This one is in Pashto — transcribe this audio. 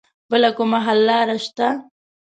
بله کومه حل لاره شته